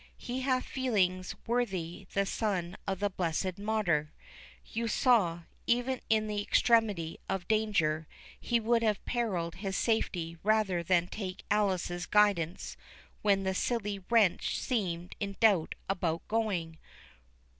He hath feelings worthy the son of the blessed Martyr. You saw, even in the extremity of danger, he would have perilled his safety rather than take Alice's guidance when the silly wench seemed in doubt about going.